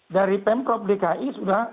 dari pemprov dki sudah